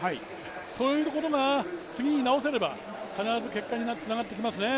そういうところが次に直せれば必ず結果につながってきますね。